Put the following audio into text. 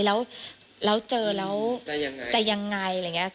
แล้วเจอแล้วจะอย่างไร